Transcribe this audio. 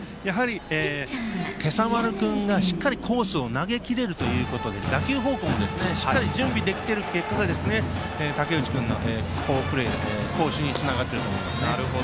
今朝丸君が、しっかりコースを投げきれることで打球方向もしっかり準備できている結果が竹内君などの好守につながっていますね。